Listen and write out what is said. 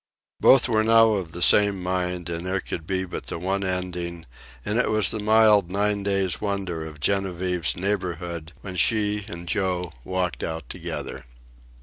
Both were now of the same mind, and there could be but the one ending; and it was the mild nine days' wonder of Genevieve's neighborhood when she and Joe walked out together.